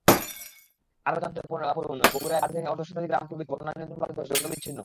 আরও জানতে পড়ুনবগুড়ায় বাঁধ ভেঙে অর্ধশতাধিক গ্রাম প্লাবিতবন্যানিয়ন্ত্রণ বাঁধে ধস, যোগাযোগ বিচ্ছিন্ন।